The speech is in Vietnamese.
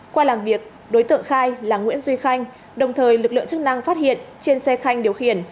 qua làm việc đối tượng khai là nguyễn duy khanh đồng thời lực lượng chức năng phát hiện trên xe khanh điều khiển